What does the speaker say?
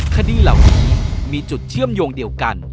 คดีเหล่านี้มีจุดเชื่อมโยงเดียวกัน